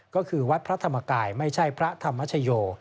ก็คือวัดพระธรรมกายไม่ใช่พระธรรมชโย